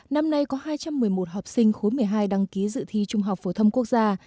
năm nay có hai trăm một mươi một học sinh khối một mươi hai đăng ký dự thi trung học phổ thông quốc gia